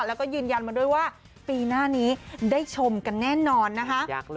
แล้วก็ยืนยันมาด้วยว่าปีหน้านี้ได้ชมกันแน่นอนนะคะ